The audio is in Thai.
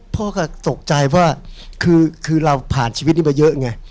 พ่อก็ตกใจว่าคือเราผ่านชีวิตนี้มาเยอะไง